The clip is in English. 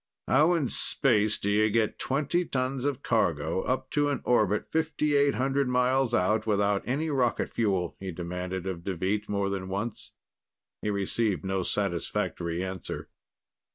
"How in space do you get twenty tons of cargo up to an orbit 5,800 miles out, without any rocket fuel?" he demanded of Deveet more than once. He received no satisfactory answer.